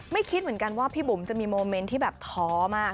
คิดเหมือนกันว่าพี่บุ๋มจะมีโมเมนต์ที่แบบท้อมาก